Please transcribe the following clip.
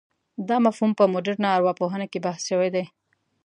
دا مفهوم په مډرنه ارواپوهنه کې بحث شوی دی.